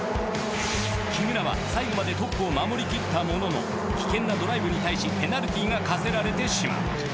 木村は最後までトップを守り切ったものの危険なドライブに対しペナルティが課せられてしまう。